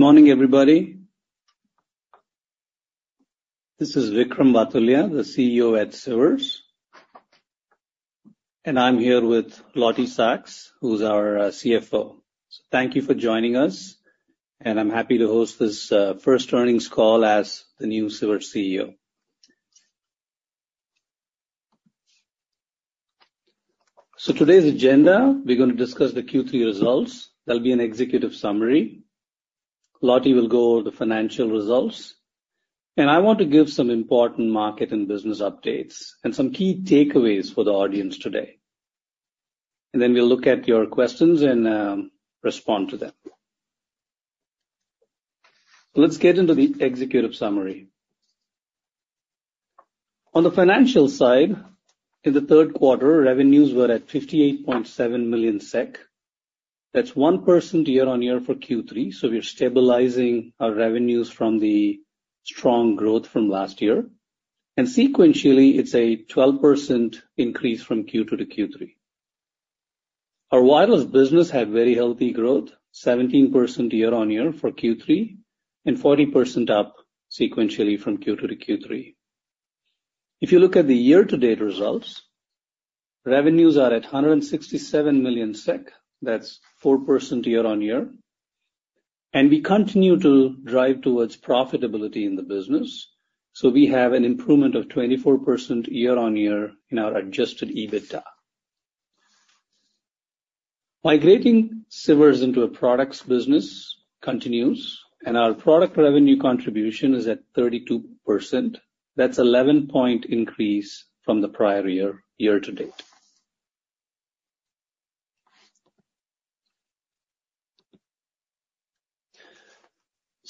Good morning, everybody. This is Vickram Vathulya, the CEO at Sivers, and I'm here with Lottie Saks, who's our CFO, so thank you for joining us, and I'm happy to host this first earnings call as the new Sivers CEO. Today's agenda, we're going to discuss the Q3 results. There'll be an executive summary. Lottie will go over the financial results, and I want to give some important market and business updates and some key takeaways for the audience today, and then we'll look at your questions and respond to them, so let's get into the executive summary. On the financial side, in the Q3, revenues were at 58.7 million SEK. That's 1% year-on-year for Q3, so we're stabilizing our revenues from the strong growth from last year. And sequentially, it's a 12% increase from Q2 to Q3. Our wireless business had very healthy growth, 17% year-on-year for Q3 and 40% up sequentially from Q2 to Q3. If you look at the year-to-date results, revenues are at 167 million SEK. That's 4% year-on-year, and we continue to drive towards profitability in the business, so we have an improvement of 24% year-on-year in our adjusted EBITDA. Migrating Sivers into a products business continues, and our product revenue contribution is at 32%. That's an 11-point increase from the prior year year-to-date.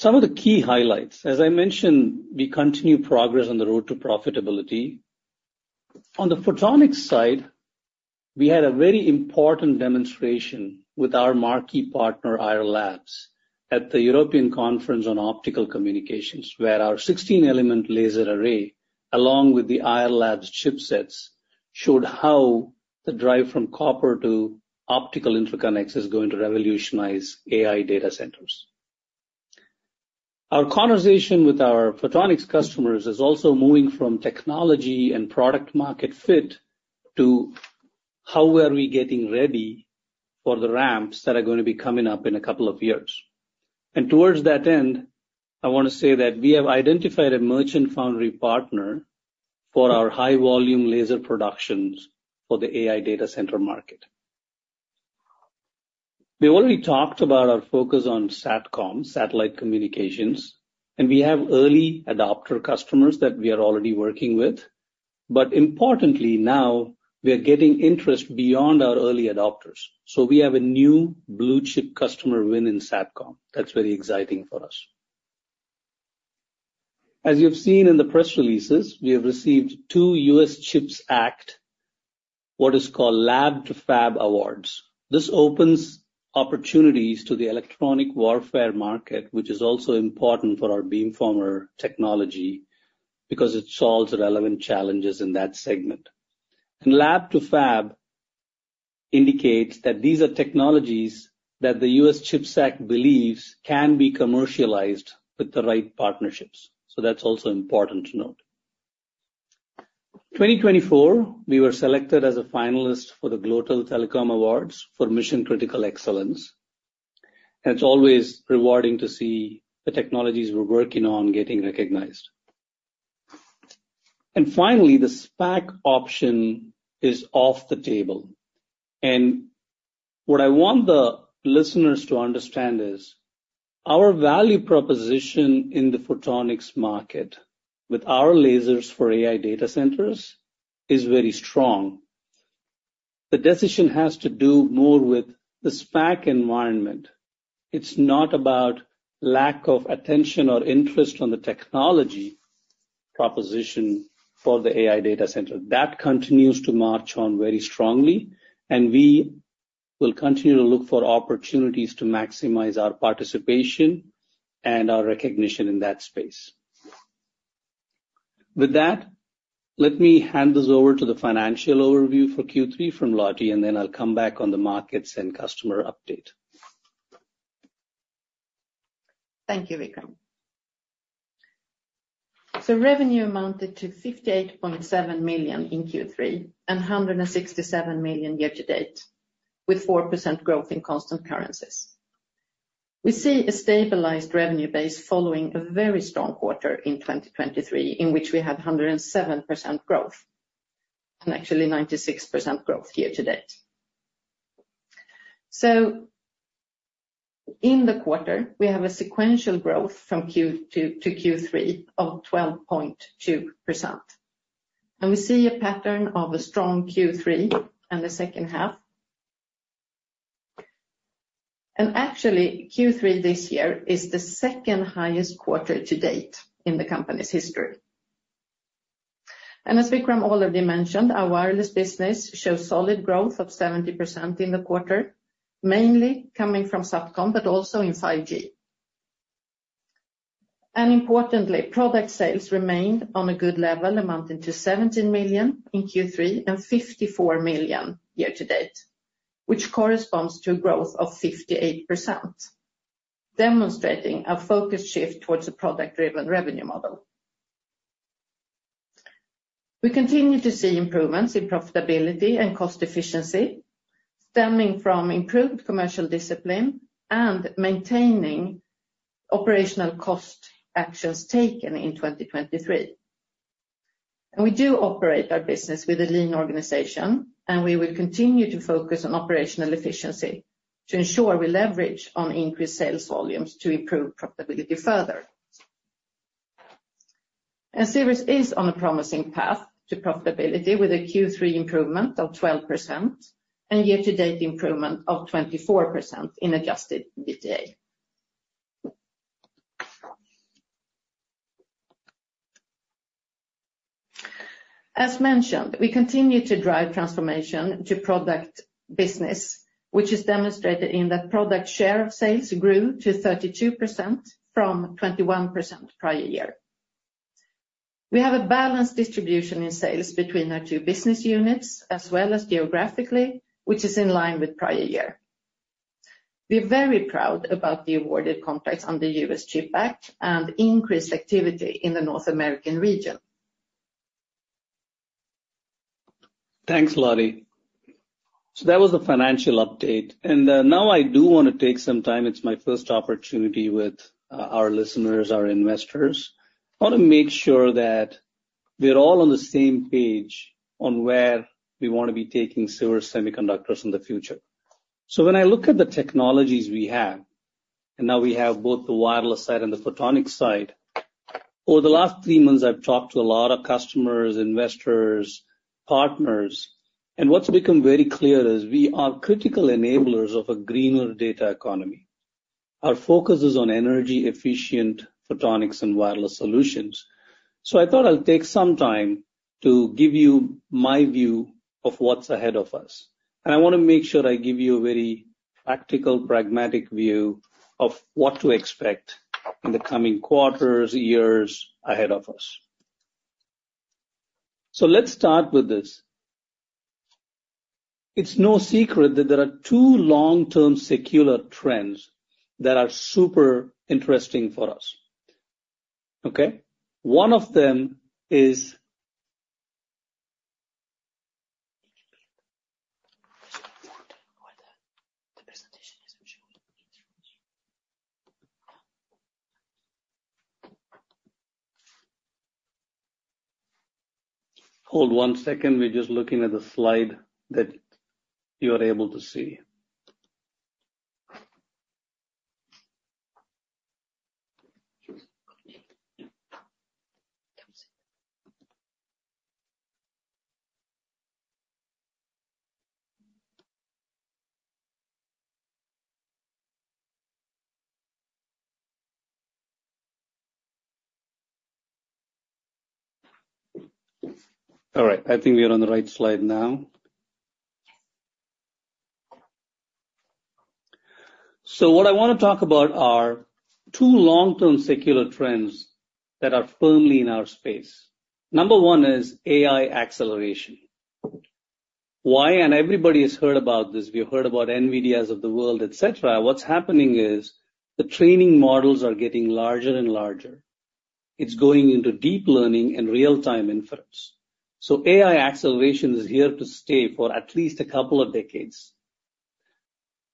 Some of the key highlights, as I mentioned, we continue progress on the road to profitability. On the photonics side, we had a very important demonstration with our marquee partner, Ayar Labs, at the European Conference on Optical Communications, where our 16-element laser array, along with the Ayar Labs chipsets, showed how the drive from copper to optical interconnects is going to revolutionize AI data centers. Our conversation with our photonics customers is also moving from technology and product market fit to how are we getting ready for the ramps that are going to be coming up in a couple of years, and towards that end, I want to say that we have identified a merchant foundry partner for our high-volume laser productions for the AI data center market. We already talked about our focus on SATCOM, satellite communications, and we have early adopter customers that we are already working with, but importantly, now we are getting interest beyond our early adopters. So we have a new blue chip customer win in SATCOM. That's very exciting for us. As you've seen in the press releases, we have received two U.S. CHIPS Act, what is called Lab-to-Fab awards. This opens opportunities to the electronic warfare market, which is also important for our beamformer technology because it solves relevant challenges in that segment. And Lab-to-Fab indicates that these are technologies that the U.S. CHIPS Act believes can be commercialized with the right partnerships. So that's also important to note. In 2024, we were selected as a finalist for the Global Telecoms Awards for mission-critical excellence. And it's always rewarding to see the technologies we're working on getting recognized. And finally, the SPAC option is off the table. And what I want the listeners to understand is our value proposition in the photonics market with our lasers for AI data centers is very strong. The decision has to do more with the SPAC environment. It's not about lack of attention or interest on the technology proposition for the AI data center. That continues to march on very strongly. And we will continue to look for opportunities to maximize our participation and our recognition in that space. With that, let me hand this over to the financial overview for Q3 from Lottie, and then I'll come back on the markets and customer update. Thank you, Vickram. So revenue amounted to 58.7 million in Q3 and 167 million year-to-date, with 4% growth in constant currencies. We see a stabilized revenue base following a very strong quarter in 2023, in which we had 107% growth and actually 96% growth year-to-date. So in the quarter, we have a sequential growth from Q2 to Q3 of 12.2%. And we see a pattern of a strong Q3 in the second half. And actually, Q3 this year is the second highest quarter-to-date in the company's history. And as Vickram already mentioned, our wireless business shows solid growth of 70% in the quarter, mainly coming from SATCOM, but also in 5G. Importantly, product sales remained on a good level, amounting to 17 million in Q3 and 54 million year-to-date, which corresponds to a growth of 58%, demonstrating a focused shift towards a product-driven revenue model. We continue to see improvements in profitability and cost efficiency, stemming from improved commercial discipline and maintaining operational cost actions taken in 2023. We do operate our business with a lean organization, and we will continue to focus on operational efficiency to ensure we leverage on increased sales volumes to improve profitability further. Sivers is on a promising path to profitability with a Q3 improvement of 12% and year-to-date improvement of 24% in adjusted EBITDA. As mentioned, we continue to drive transformation to product business, which is demonstrated in that product share of sales grew to 32% from 21% prior year. We have a balanced distribution in sales between our two business units as well as geographically, which is in line with prior year. We are very proud about the awarded contracts under U.S. CHIPS Act and increased activity in the North American region. Thanks, Lottie. So that was the financial update. And now I do want to take some time. It's my first opportunity with our listeners, our investors. I want to make sure that we're all on the same page on where we want to be taking Sivers Semiconductors in the future. So when I look at the technologies we have, and now we have both the wireless side and the photonics side, over the last three months, I've talked to a lot of customers, investors, partners. And what's become very clear is we are critical enablers of a greener data economy. Our focus is on energy-efficient photonics and wireless solutions. So I thought I'll take some time to give you my view of what's ahead of us. I want to make sure I give you a very practical, pragmatic view of what to expect in the coming quarters, years ahead of us. So let's start with this. It's no secret that there are two long-term secular trends that are super interesting for us. Okay? One of them is. Hold one second. We're just looking at the slide that you are able to see. All right. I think we are on the right slide now. So what I want to talk about are two long-term secular trends that are firmly in our space. Number one is AI acceleration. Why? And everybody has heard about this. We've heard about NVIDIAs of the world, et cetera. What's happening is the training models are getting larger and larger. It's going into deep learning and real-time inference. So AI acceleration is here to stay for at least a couple of decades.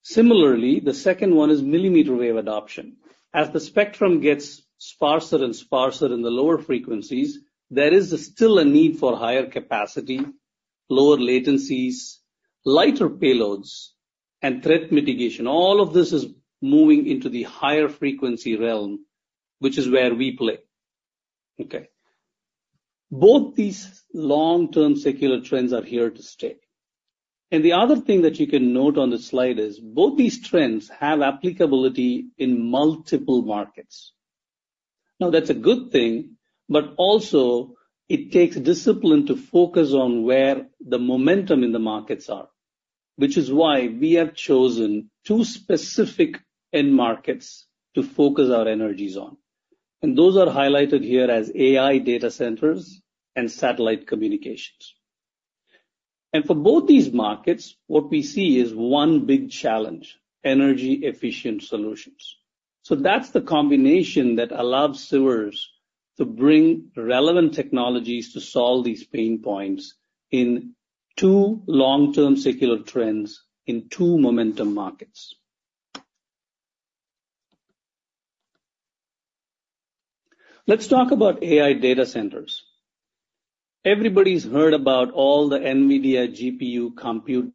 Similarly, the second one is millimeter wave adoption. As the spectrum gets sparser and sparser in the lower frequencies, there is still a need for higher capacity, lower latencies, lighter payloads, and threat mitigation. All of this is moving into the higher frequency realm, which is where we play. Okay? Both these long-term secular trends are here to stay. And the other thing that you can note on the slide is both these trends have applicability in multiple markets. Now, that's a good thing, but also it takes discipline to focus on where the momentum in the markets are, which is why we have chosen two specific end markets to focus our energies on. And those are highlighted here as AI data centers and satellite communications. And for both these markets, what we see is one big challenge: energy-efficient solutions. That's the combination that allows Sivers to bring relevant technologies to solve these pain points in two long-term secular trends in two momentum markets. Let's talk about AI data centers. Everybody's heard about all the NVIDIA GPU compute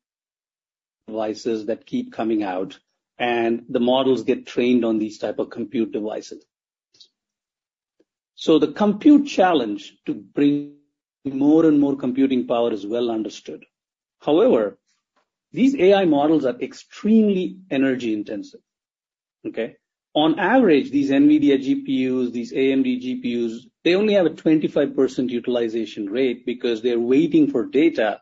devices that keep coming out, and the models get trained on these types of compute devices. The compute challenge to bring more and more computing power is well understood. However, these AI models are extremely energy intensive. Okay? On average, these NVIDIA GPUs, these AMD GPUs, they only have a 25% utilization rate because they're waiting for data.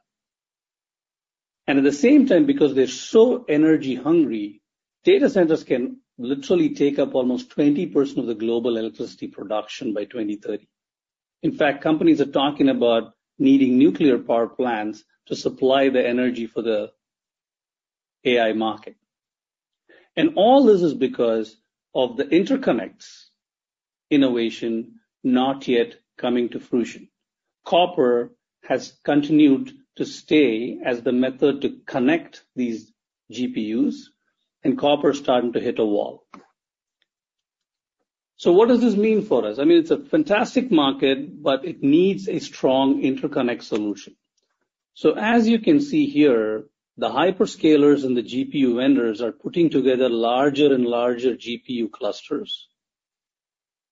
And at the same time, because they're so energy hungry, data centers can literally take up almost 20% of the global electricity production by 2030. In fact, companies are talking about needing nuclear power plants to supply the energy for the AI market. All this is because of the interconnects innovation not yet coming to fruition. Copper has continued to stay as the method to connect these GPUs, and copper is starting to hit a wall. What does this mean for us? I mean, it's a fantastic market, but it needs a strong interconnect solution. As you can see here, the hyperscalers and the GPU vendors are putting together larger and larger GPU clusters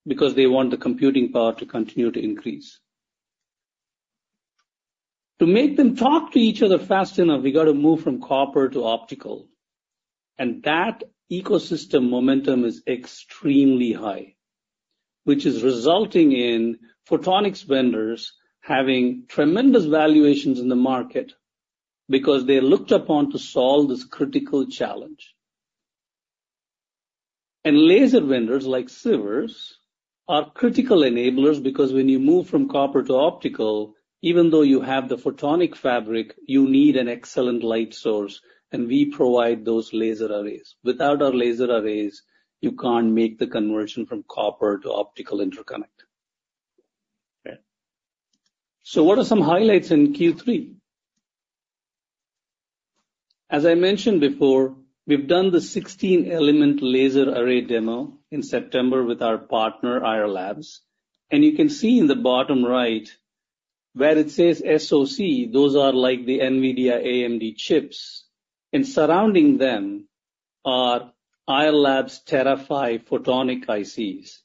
because they want the computing power to continue to increase. To make them talk to each other fast enough, we got to move from copper to optical. That ecosystem momentum is extremely high, which is resulting in photonics vendors having tremendous valuations in the market because they're looked upon to solve this critical challenge. Laser vendors like Sivers are critical enablers because when you move from copper to optical, even though you have the photonic fabric, you need an excellent light source, and we provide those laser arrays. Without our laser arrays, you can't make the conversion from copper to optical interconnect. What are some highlights in Q3? As I mentioned before, we've done the 16-element laser array demo in September with our partner, Ayar Labs. You can see in the bottom right where it says SOC, those are like the NVIDIA AMD chips. Surrounding them are Ayar Labs' TeraPHY photonic ICs.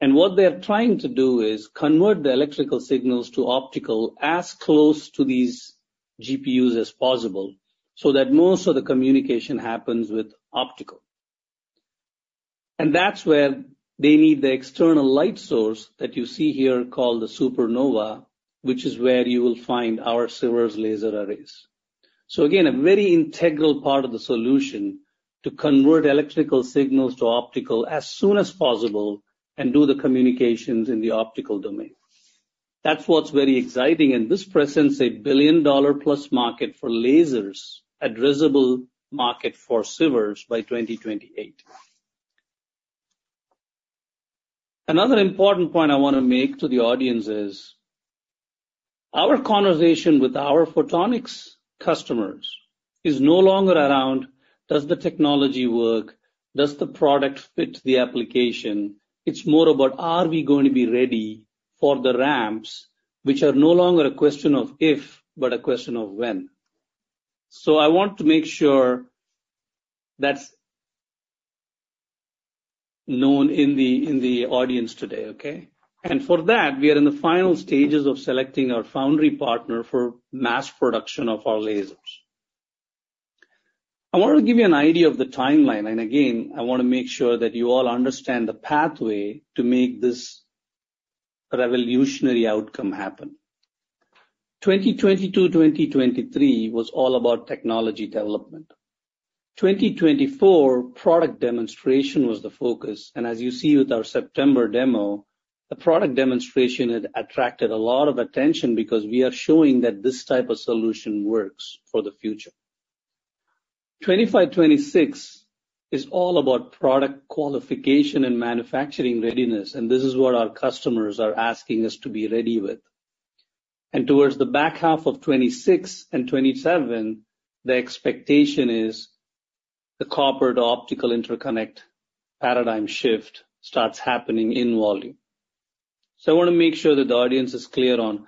What they're trying to do is convert the electrical signals to optical as close to these GPUs as possible so that most of the communication happens with optical. And that's where they need the external light source that you see here called the SuperNova, which is where you will find our Sivers laser arrays. So again, a very integral part of the solution to convert electrical signals to optical as soon as possible and do the communications in the optical domain. That's what's very exciting. And this presents $1 billion-plus market for lasers at a reasonable market for Sivers by 2028. Another important point I want to make to the audience is our conversation with our photonics customers is no longer around, does the technology work? Does the product fit the application? It's more about, are we going to be ready for the ramps, which are no longer a question of if, but a question of when? So I want to make sure that's known in the audience today, okay? For that, we are in the final stages of selecting our foundry partner for mass production of our lasers. I want to give you an idea of the timeline. And again, I want to make sure that you all understand the pathway to make this revolutionary outcome happen. 2022-2023 was all about technology development. 2024 product demonstration was the focus. And as you see with our September demo, the product demonstration had attracted a lot of attention because we are showing that this type of solution works for the future. 2025-2026 is all about product qualification and manufacturing readiness. And this is what our customers are asking us to be ready with. And towards the back half of 2026 and 2027, the expectation is the copper to optical interconnect paradigm shift starts happening in volume. So I want to make sure that the audience is clear on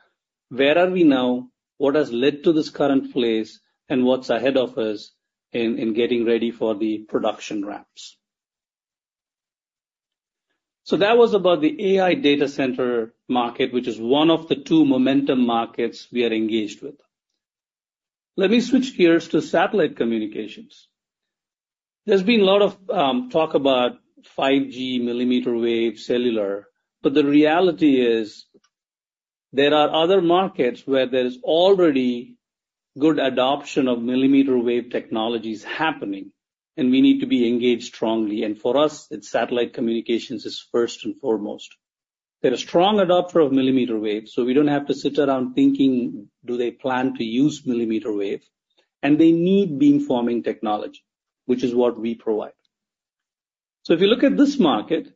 where are we now, what has led to this current place, and what's ahead of us in getting ready for the production ramps. So that was about the AI data center market, which is one of the two momentum markets we are engaged with. Let me switch gears to satellite communications. There's been a lot of talk about 5G, millimeter wave, cellular, but the reality is there are other markets where there is already good adoption of millimeter wave technologies happening, and we need to be engaged strongly. And for us, satellite communications is first and foremost. They're a strong adopter of millimeter wave, so we don't have to sit around thinking, do they plan to use millimeter wave? And they need beamforming technology, which is what we provide. So if you look at this market,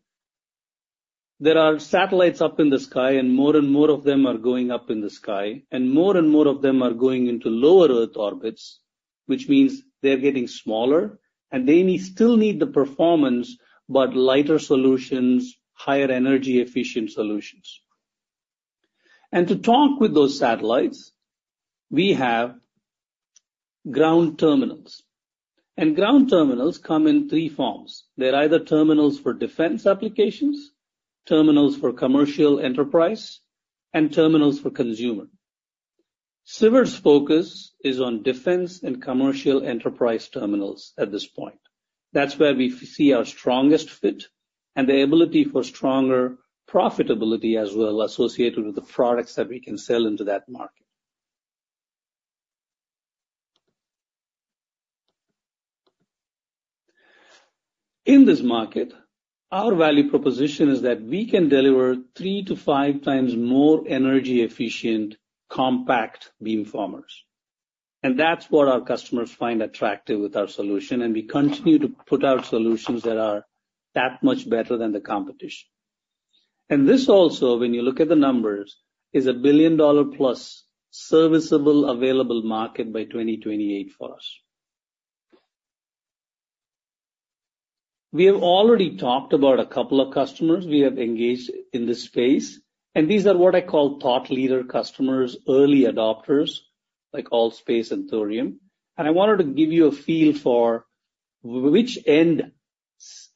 there are satellites up in the sky, and more and more of them are going up in the sky, and more and more of them are going into lower Earth orbits, which means they're getting smaller, and they still need the performance, but lighter solutions, higher energy-efficient solutions. And to talk with those satellites, we have ground terminals. And ground terminals come in three forms. They're either terminals for defense applications, terminals for commercial enterprise, and terminals for consumer. Sivers' focus is on defense and commercial enterprise terminals at this point. That's where we see our strongest fit and the ability for stronger profitability as well associated with the products that we can sell into that market. In this market, our value proposition is that we can deliver three to five times more energy-efficient compact beamformers. And that's what our customers find attractive with our solution. And we continue to put out solutions that are that much better than the competition. And this also, when you look at the numbers, is a $1 billion-plus serviceable available market by 2028 for us. We have already talked about a couple of customers we have engaged in this space. And these are what I call thought leader customers, early adopters, like All.Space and Thorium. And I wanted to give you a feel for which end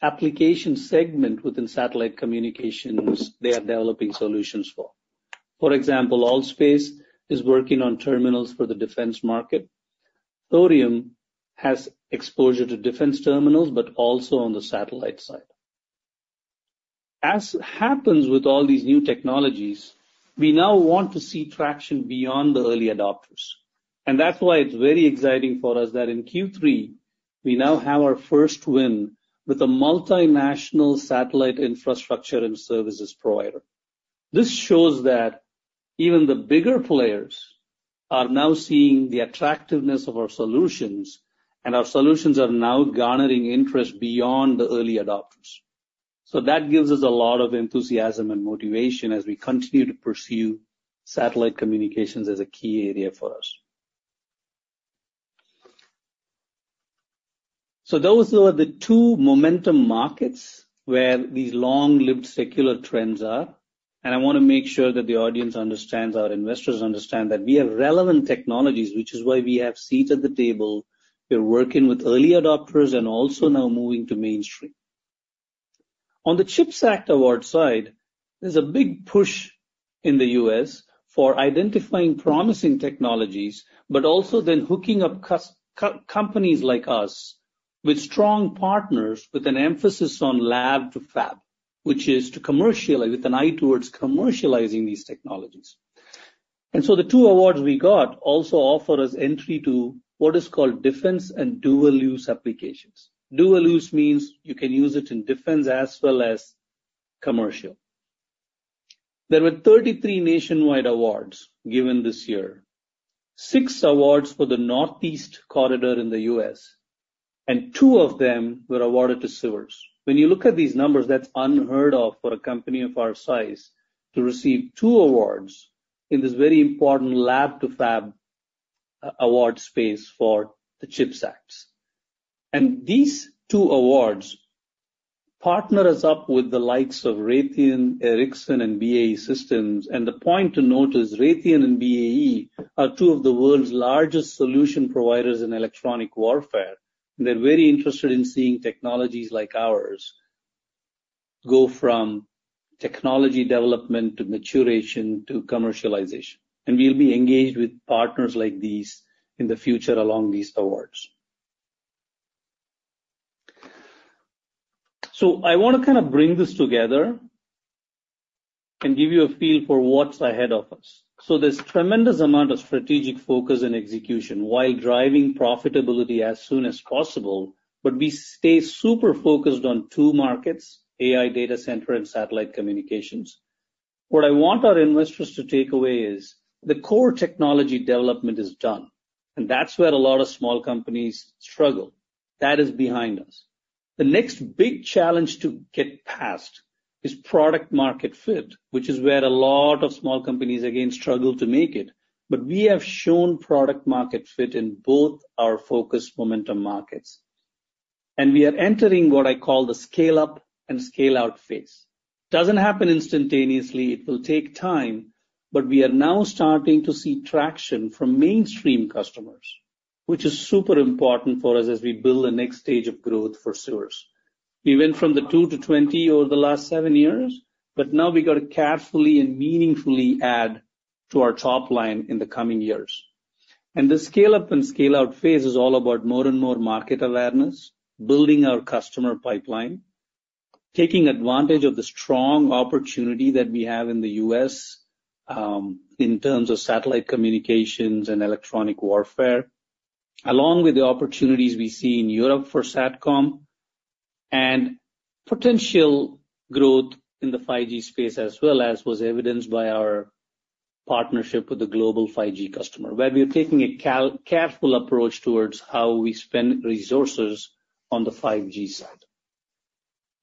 application segment within satellite communications they are developing solutions for. For example, All.Space is working on terminals for the defense market. Thorium has exposure to defense terminals, but also on the satellite side. As happens with all these new technologies, we now want to see traction beyond the early adopters. That's why it's very exciting for us that in Q3, we now have our first win with a multinational satellite infrastructure and services provider. This shows that even the bigger players are now seeing the attractiveness of our solutions, and our solutions are now garnering interest beyond the early adopters. That gives us a lot of enthusiasm and motivation as we continue to pursue satellite communications as a key area for us. Those are the two momentum markets where these long-lived secular trends are. I want to make sure that the audience understands, our investors understand that we have relevant technologies, which is why we have seats at the table. We're working with early adopters and also now moving to mainstream. On the CHIPS Act award side, there's a big push in the U.S. for identifying promising technologies, but also then hooking up companies like us with strong partners with an emphasis on Lab to Fab, which is to commercialize with an eye towards commercializing these technologies. And so the two awards we got also offer us entry to what is called defense and dual-use applications. Dual-use means you can use it in defense as well as commercial. There were 33 nationwide awards given this year, six awards for the Northeast Corridor in the U.S., and two of them were awarded to Sivers. When you look at these numbers, that's unheard of for a company of our size to receive two awards in this very important Lab to Fab award space for the CHIPS Act. And these two awards partner us up with the likes of Raytheon, Ericsson, and BAE Systems. And the point to note is Raytheon and BAE are two of the world's largest solution providers in electronic warfare. And they're very interested in seeing technologies like ours go from technology development to maturation to commercialization. And we'll be engaged with partners like these in the future along these awards. So I want to kind of bring this together and give you a feel for what's ahead of us. So there's a tremendous amount of strategic focus and execution while driving profitability as soon as possible, but we stay super focused on two markets, AI data center and satellite communications. What I want our investors to take away is the core technology development is done. And that's where a lot of small companies struggle. That is behind us. The next big challenge to get past is product-market fit, which is where a lot of small companies, again, struggle to make it. But we have shown product-market fit in both our focus momentum markets. And we are entering what I call the scale-up and scale-out phase. It doesn't happen instantaneously. It will take time. But we are now starting to see traction from mainstream customers, which is super important for us as we build the next stage of growth for Sivers. We went from the two to 20 over the last seven years, but now we got to carefully and meaningfully add to our top line in the coming years. And the scale-up and scale-out phase is all about more and more market awareness, building our customer pipeline, taking advantage of the strong opportunity that we have in the U.S. in terms of satellite communications and electronic warfare, along with the opportunities we see in Europe for SATCOM and potential growth in the 5G space, as well as was evidenced by our partnership with the global 5G customer, where we are taking a careful approach towards how we spend resources on the 5G side.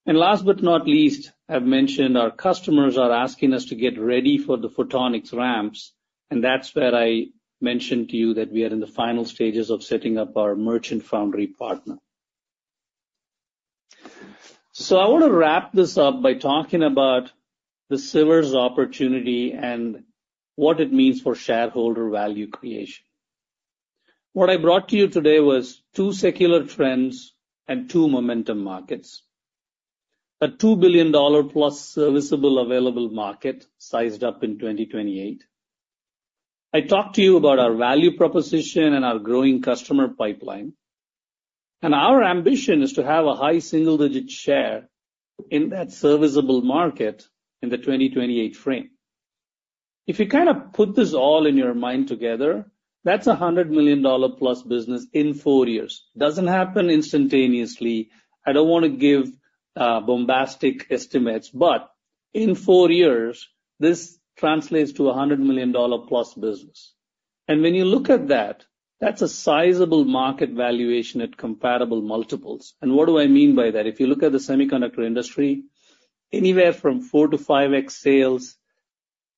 And last but not least, I've mentioned our customers are asking us to get ready for the photonics ramps. And that's where I mentioned to you that we are in the final stages of setting up our merchant foundry partner. So I want to wrap this up by talking about the Sivers opportunity and what it means for shareholder value creation. What I brought to you today was two secular trends and two momentum markets, a $2 billion-plus serviceable available market sized up in 2028. I talked to you about our value proposition and our growing customer pipeline. And our ambition is to have a high single-digit share in that serviceable available market in the 2028 frame. If you kind of put this all in your mind together, that's a $100 million-plus business in four years. It doesn't happen instantaneously. I don't want to give bombastic estimates, but in four years, this translates to a $100 million-plus business. And when you look at that, that's a sizable market valuation at comparable multiples. And what do I mean by that? If you look at the semiconductor industry, anywhere from 4 to 5x sales,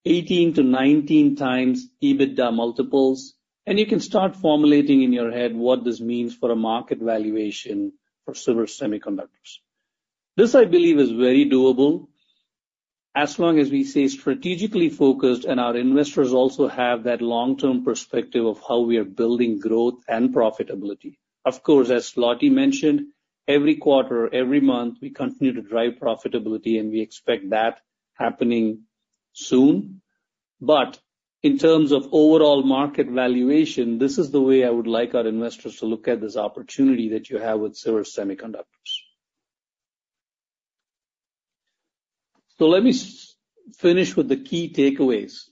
18 to 19x EBITDA multiples. And you can start formulating in your head what this means for a market valuation for Sivers Semiconductors. This, I believe, is very doable as long as we stay strategically focused and our investors also have that long-term perspective of how we are building growth and profitability. Of course, as Lottie mentioned, every quarter, every month, we continue to drive profitability, and we expect that happening soon. But in terms of overall market valuation, this is the way I would like our investors to look at this opportunity that you have with Sivers Semiconductors. So let me finish with the key takeaways.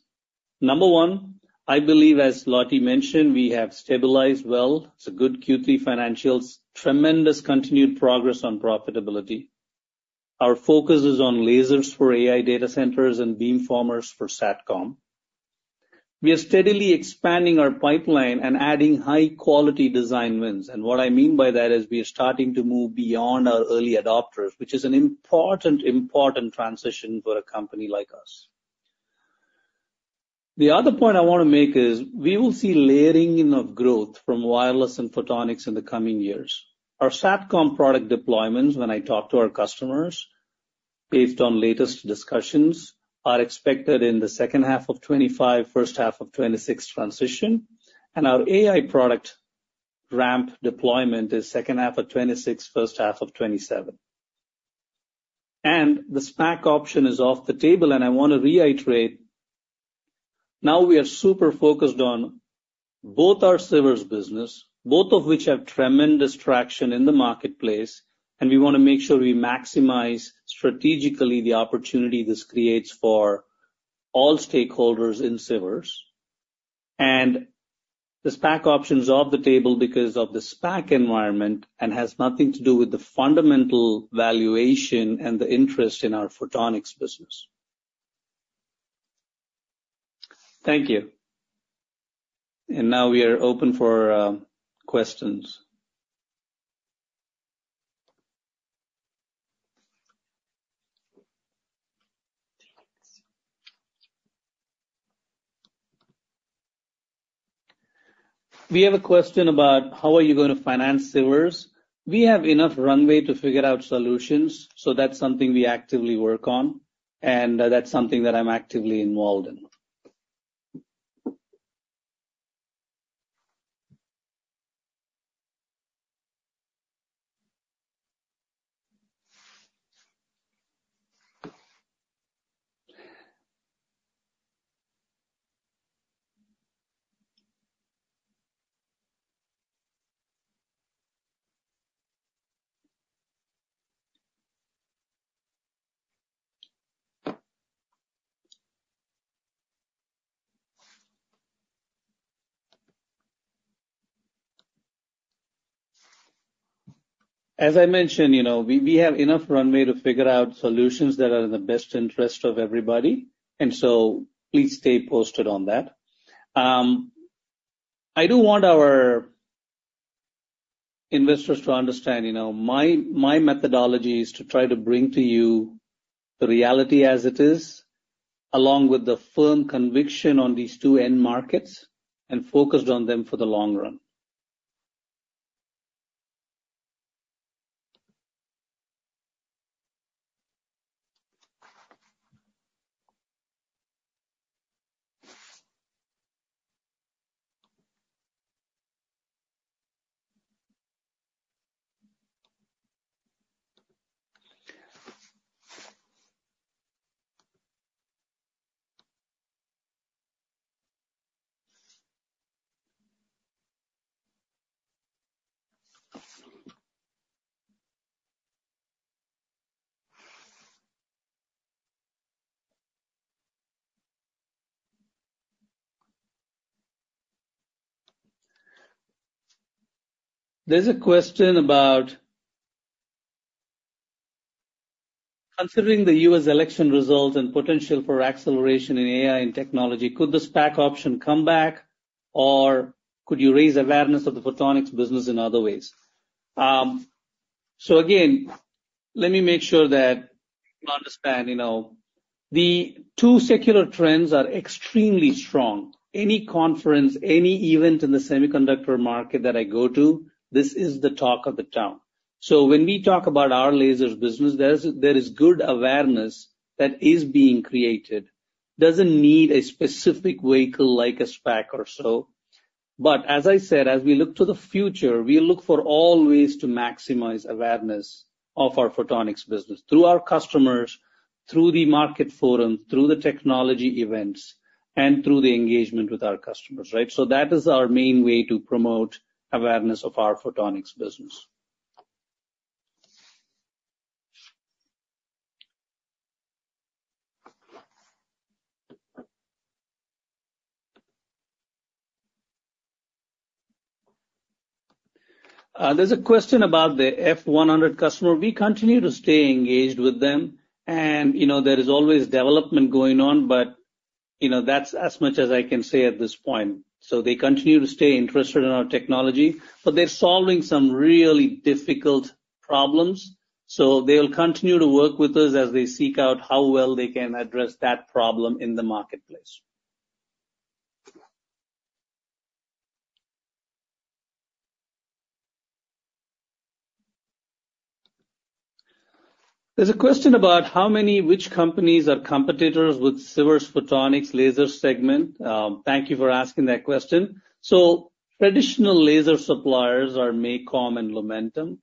Number one, I believe, as Lottie mentioned, we have stabilized well. It's a good Q3 financials, tremendous continued progress on profitability. Our focus is on lasers for AI data centers and beamformers for SATCOM. We are steadily expanding our pipeline and adding high-quality design wins. And what I mean by that is we are starting to move beyond our early adopters, which is an important, important transition for a company like us. The other point I want to make is we will see layering of growth from wireless and photonics in the coming years. Our SATCOM product deployments, when I talk to our customers, based on latest discussions, are expected in the second half of 2025, first half of 2026 transition. And our AI product ramp deployment is second half of 2026, first half of 2027. And the SPAC option is off the table. And I want to reiterate, now we are super focused on both our Sivers business, both of which have tremendous traction in the marketplace. And we want to make sure we maximize strategically the opportunity this creates for all stakeholders in Sivers. And the SPAC option is off the table because of the SPAC environment and has nothing to do with the fundamental valuation and the interest in our photonics business. Thank you. And now we are open for questions. We have a question about how are you going to finance Sivers? We have enough runway to figure out solutions. So that's something we actively work on. And that's something that I'm actively involved in. As I mentioned, we have enough runway to figure out solutions that are in the best interest of everybody. And so please stay posted on that. I do want our investors to understand my methodology is to try to bring to you the reality as it is, along with the firm conviction on these two end markets and focused on them for the long run. There's a question about considering the U.S. election results and potential for acceleration in AI and technology. Could the SPAC option come back, or could you raise awareness of the photonics business in other ways? So again, let me make sure that you understand. The two secular trends are extremely strong. Any conference, any event in the semiconductor market that I go to, this is the talk of the town. So when we talk about our lasers business, there is good awareness that is being created. It doesn't need a specific vehicle like a SPAC or so. But as I said, as we look to the future, we look for all ways to maximize awareness of our photonics business through our customers, through the market forum, through the technology events, and through the engagement with our customers, right? That is our main way to promote awareness of our photonics business. There's a question about the F100 customer. We continue to stay engaged with them. And there is always development going on, but that's as much as I can say at this point. So they continue to stay interested in our technology, but they're solving some really difficult problems. So they will continue to work with us as they seek out how well they can address that problem in the marketplace. There's a question about how many which companies are competitors with Sivers Photonics laser segment. Thank you for asking that question. So traditional laser suppliers are MACOM and Lumentum.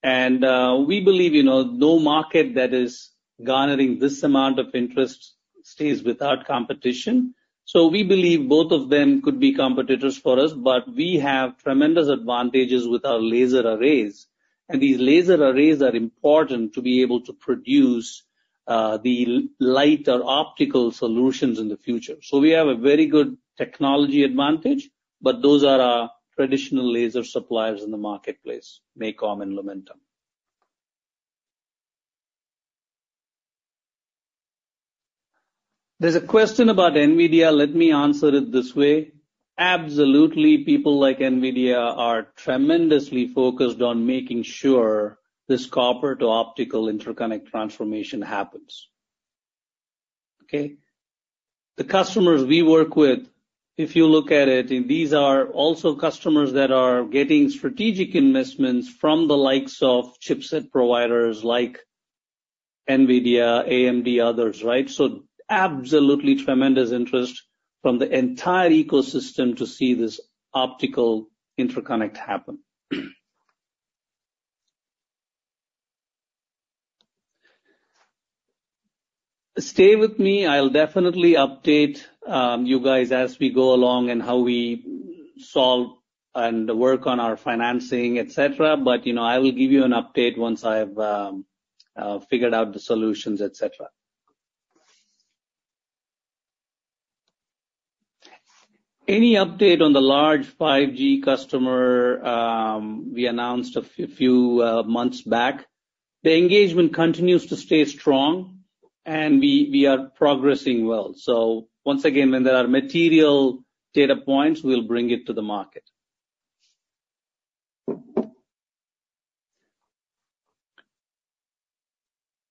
And we believe no market that is garnering this amount of interest stays without competition. So we believe both of them could be competitors for us, but we have tremendous advantages with our laser arrays. These laser arrays are important to be able to produce the lighter optical solutions in the future. We have a very good technology advantage, but those are our traditional laser suppliers in the marketplace, MACOM and Lumentum. There's a question about NVIDIA. Let me answer it this way. Absolutely. People like NVIDIA are tremendously focused on making sure this copper-to-optical interconnect transformation happens. Okay? The customers we work with, if you look at it, these are also customers that are getting strategic investments from the likes of chipset providers like NVIDIA, AMD, others, right? Absolutely tremendous interest from the entire ecosystem to see this optical interconnect happen. Stay with me. I'll definitely update you guys as we go along and how we solve and work on our financing, et cetera. I will give you an update once I have figured out the solutions, et cetera. Any update on the large 5G customer we announced a few months back? The engagement continues to stay strong, and we are progressing well, so once again, when there are material data points, we'll bring it to the market.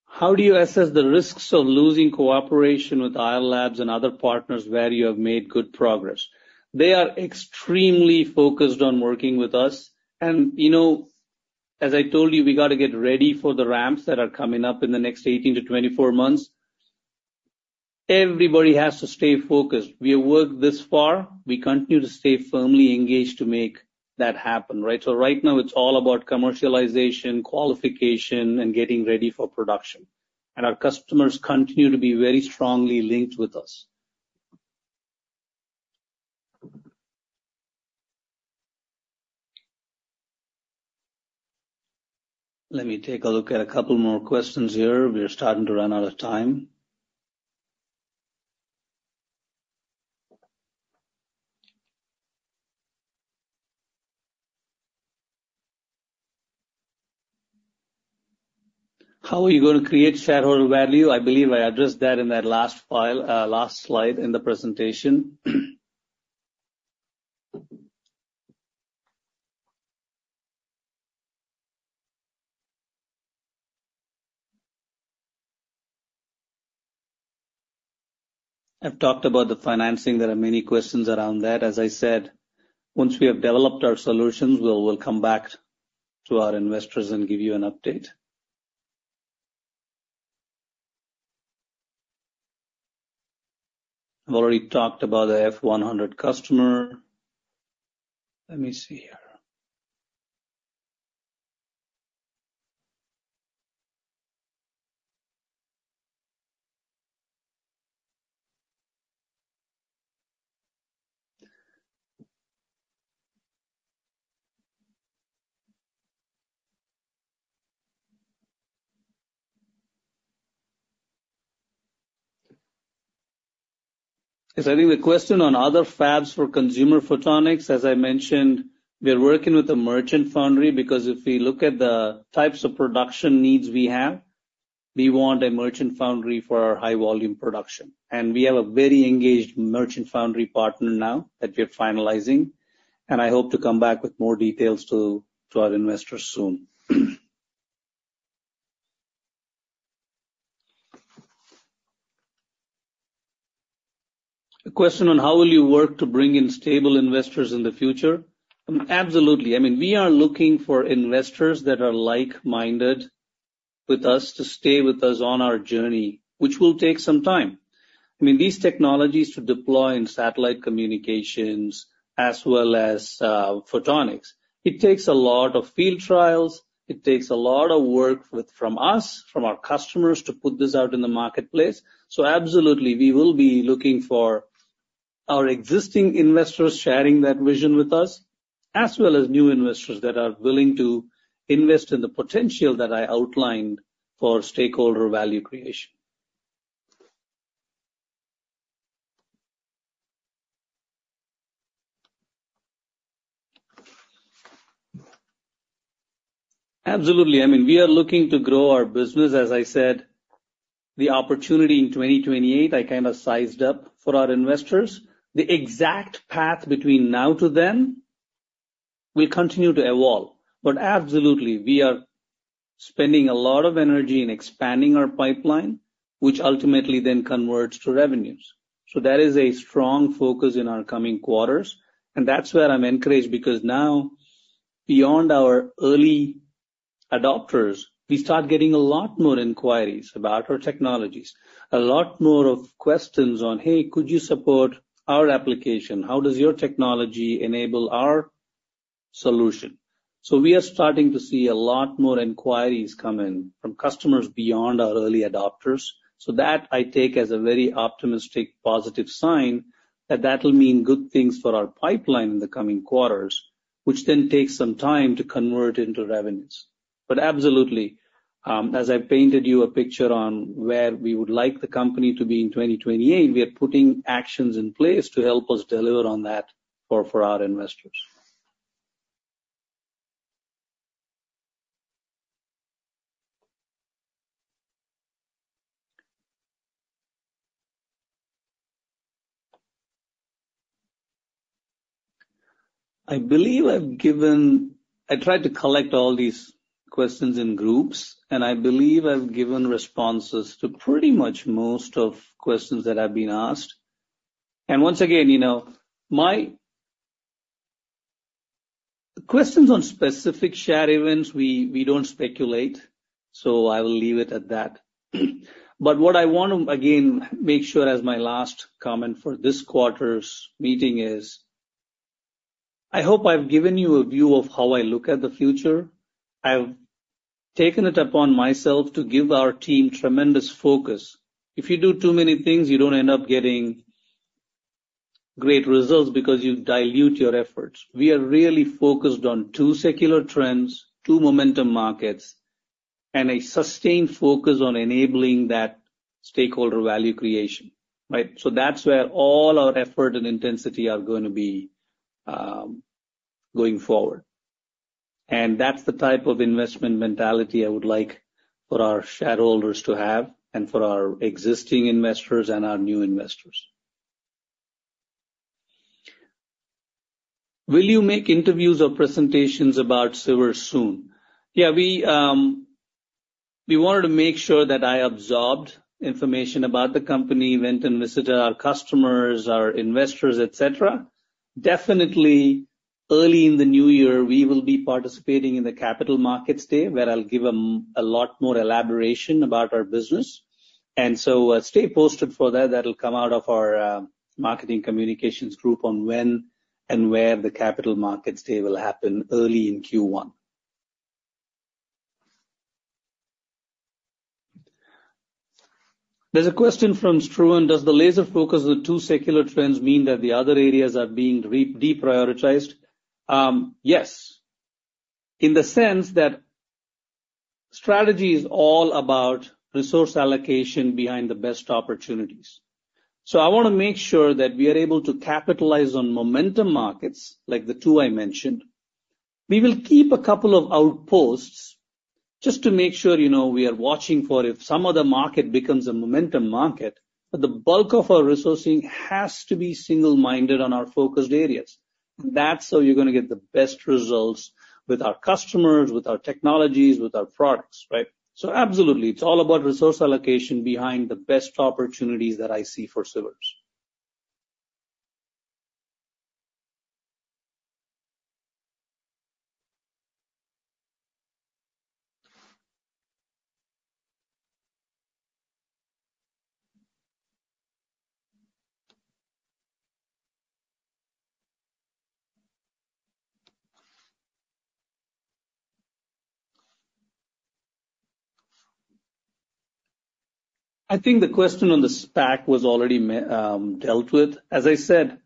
How do you assess the risks of losing cooperation with Ayar Labs and other partners where you have made good progress? They are extremely focused on working with us, and as I told you, we got to get ready for the ramps that are coming up in the next 18-24 months. Everybody has to stay focused. We have worked this far. We continue to stay firmly engaged to make that happen, right? So right now, it's all about commercialization, qualification, and getting ready for production, and our customers continue to be very strongly linked with us. Let me take a look at a couple more questions here. We are starting to run out of time. How are you going to create shareholder value? I believe I addressed that in that last slide in the presentation. I've talked about the financing. There are many questions around that. As I said, once we have developed our solutions, we'll come back to our investors and give you an update. I've already talked about the F100 customer. Let me see here. I think the question on other fabs for consumer photonics, as I mentioned, we are working with a merchant foundry because if we look at the types of production needs we have, we want a merchant foundry for our high-volume production, and we have a very engaged merchant foundry partner now that we are finalizing, and I hope to come back with more details to our investors soon. A question on how will you work to bring in stable investors in the future? Absolutely. I mean, we are looking for investors that are like-minded with us to stay with us on our journey, which will take some time. I mean, these technologies to deploy in satellite communications as well as photonics, it takes a lot of field trials. It takes a lot of work from us, from our customers to put this out in the marketplace. So absolutely, we will be looking for our existing investors sharing that vision with us, as well as new investors that are willing to invest in the potential that I outlined for stakeholder value creation. Absolutely. I mean, we are looking to grow our business. As I said, the opportunity in 2028, I kind of sized up for our investors. The exact path between now to then will continue to evolve. Absolutely, we are spending a lot of energy in expanding our pipeline, which ultimately then converts to revenues. That is a strong focus in our coming quarters. That's where I'm encouraged because now, beyond our early adopters, we start getting a lot more inquiries about our technologies, a lot more questions on, "Hey, could you support our application? How does your technology enable our solution?" We are starting to see a lot more inquiries come in from customers beyond our early adopters. That I take as a very optimistic positive sign that that will mean good things for our pipeline in the coming quarters, which then takes some time to convert into revenues. But absolutely, as I've painted you a picture on where we would like the company to be in 2028, we are putting actions in place to help us deliver on that for our investors. I believe I've given. I tried to collect all these questions in groups, and I believe I've given responses to pretty much most of the questions that I've been asked. And once again, my questions on specific share events, we don't speculate, so I will leave it at that. But what I want to, again, make sure as my last comment for this quarter's meeting is I hope I've given you a view of how I look at the future. I've taken it upon myself to give our team tremendous focus. If you do too many things, you don't end up getting great results because you dilute your efforts. We are really focused on two secular trends, two momentum markets, and a sustained focus on enabling that stakeholder value creation, right? So that's where all our effort and intensity are going to be going forward. And that's the type of investment mentality I would like for our shareholders to have and for our existing investors and our new investors. Will you make interviews or presentations about Sivers soon? Yeah. We wanted to make sure that I absorbed information about the company, went and visited our customers, our investors, et cetera. Definitely, early in the new year, we will be participating in the Capital Markets Day where I'll give them a lot more elaboration about our business. And so stay posted for that. That'll come out of our marketing communications group on when and where the Capital Markets Day will happen early in Q1. There's a question from Struan. Does the laser focus on the two secular trends mean that the other areas are being deprioritized? Yes. In the sense that strategy is all about resource allocation behind the best opportunities. So I want to make sure that we are able to capitalize on momentum markets like the two I mentioned. We will keep a couple of outposts just to make sure we are watching for if some of the market becomes a momentum market, but the bulk of our resourcing has to be single-minded on our focused areas. That's how you're going to get the best results with our customers, with our technologies, with our products, right? So absolutely, it's all about resource allocation behind the best opportunities that I see for Sivers. I think the question on the SPAC was already dealt with. As I said,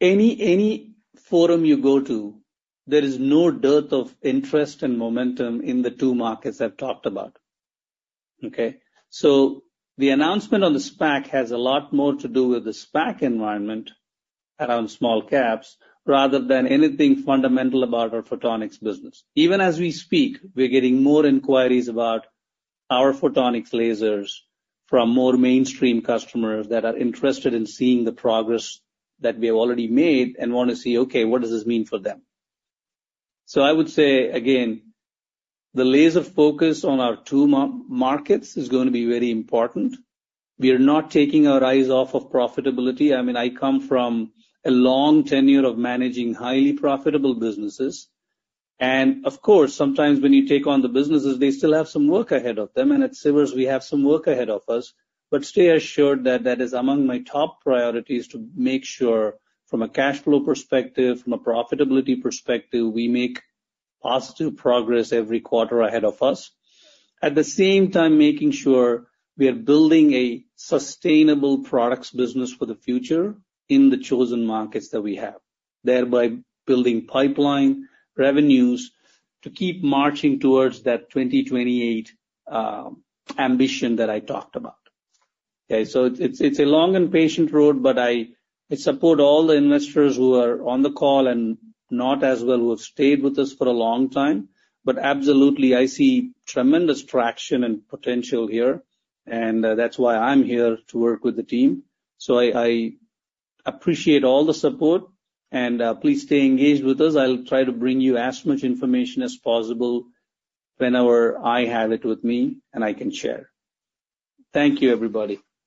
any forum you go to, there is no dearth of interest and momentum in the two markets I've talked about, okay? So the announcement on the SPAC has a lot more to do with the SPAC environment around small caps rather than anything fundamental about our photonics business. Even as we speak, we're getting more inquiries about our photonics lasers from more mainstream customers that are interested in seeing the progress that we have already made and want to see, okay, what does this mean for them? So I would say, again, the laser focus on our two markets is going to be very important. We are not taking our eyes off of profitability. I mean, I come from a long tenure of managing highly profitable businesses. And of course, sometimes when you take on the businesses, they still have some work ahead of them. And at Sivers, we have some work ahead of us. But stay assured that that is among my top priorities to make sure from a cash flow perspective, from a profitability perspective, we make positive progress every quarter ahead of us. At the same time, making sure we are building a sustainable products business for the future in the chosen markets that we have, thereby building pipeline revenues to keep marching towards that 2028 ambition that I talked about. Okay? So it's a long and patient road, but I support all the investors who are on the call and not as well who have stayed with us for a long time. But absolutely, I see tremendous traction and potential here. And that's why I'm here to work with the team. So I appreciate all the support. And please stay engaged with us. I'll try to bring you as much information as possible whenever I have it with me and I can share. Thank you, everybody.